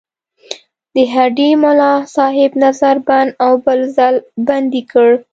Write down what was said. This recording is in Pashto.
د هډې ملاصاحب نظر بند او بل ځل بندي کړ.